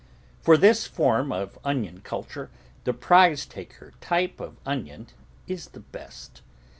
For this form of onion culture, the Prizetaker type of onion is the best.